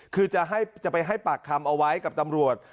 คือจะไปให้ปากคำเอาไว้กับตำรวจ